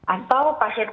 atau pasien pasien yang